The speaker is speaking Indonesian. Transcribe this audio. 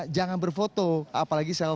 jangan berfoto apalagi